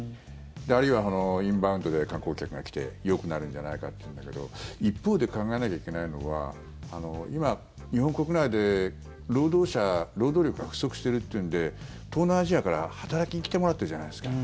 あるいは、インバウンドで観光客が来てよくなるんじゃないかっていうんだけど一方で考えなきゃいけないのは今、日本国内で労働者、労働力が不足しているというので東南アジアから働きに来てもらってるじゃないですか。